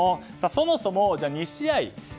そもそも２試合